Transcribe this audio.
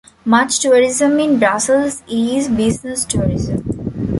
Much tourism in Brussels is business tourism.